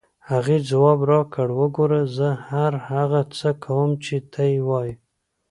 هغې ځواب راکړ: وګوره، زه هر هغه څه کوم چې ته یې وایې.